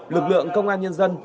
lực lượng công an nhân dân